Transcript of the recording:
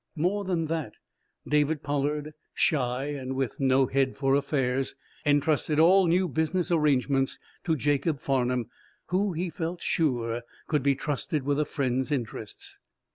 More than that, David Pollard, shy and with no head for affairs, entrusted all new business arrangements to Jacob Farnum, who, he felt sure, could be trusted with a friend's interests.